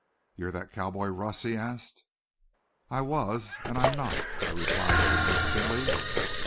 "You thet cowboy, Russ?" he asked. "I was and I'm not!" I replied significantly.